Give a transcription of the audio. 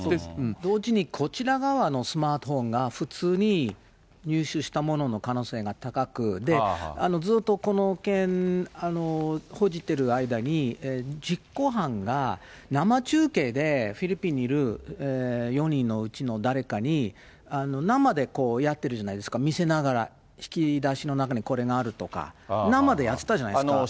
同時にこちら側のスマートフォンが普通に入手したものの可能性が高く、ずっとこの件、報じてる間に実行犯が生中継でフィリピンにいる４人のうちの誰かに、生でやってるじゃないですか、見せながら、引き出しの中にこれがあるとか、生でやってたじゃないですか。